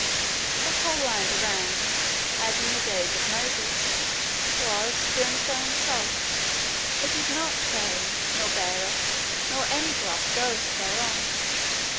The whole land around, as in the days of Moses, was "brimstone and salt; it is not sown, nor beareth, nor any grass groweth thereon."